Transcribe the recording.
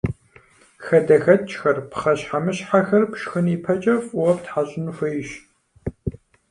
ХадэхэкӀхэр, пхъэщхьэмыщхьэхэр пшхын ипэкӀэ фӀыуэ птхьэщӀын хуейщ.